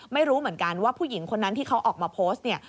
ไม่รู้เหมือนกันว่าผู้หญิงคนนั้นที่เขาออกมาโพสต์เนี่ย